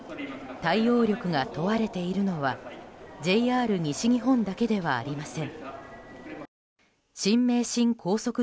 対応力が問われているのはＪＲ西日本だけではありません。